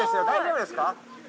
大丈夫ですか？